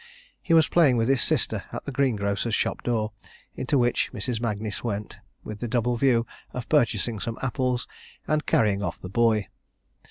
He was playing with his sister at the greengrocer's shop door, into which Mrs. Magnis went, with the double view of purchasing some apples, and carrying off the boy.